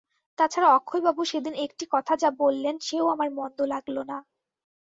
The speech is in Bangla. তা ছাড়া অক্ষয়বাবু সেদিন একটি কথা যা বললেন সেও আমার মন্দ লাগল না।